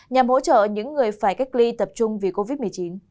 nhằm hỗ trợ những người phải cách ly tập trung vì covid một mươi chín